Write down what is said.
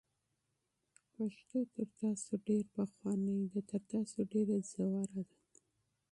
پښتو تر تاسو ډېره پخوانۍ ده، تر تاسو ډېره ژوره ده،